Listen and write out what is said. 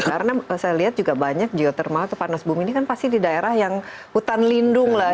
karena saya lihat juga banyak geotermal atau panas bumi ini kan pasti di daerah yang hutan lindung lah